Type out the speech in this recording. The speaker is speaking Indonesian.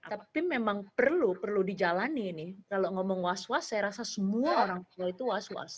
tapi memang perlu perlu dijalani nih kalau ngomong was was saya rasa semua orang tua itu was was